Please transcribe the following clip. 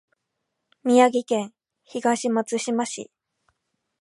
宮城県東松島市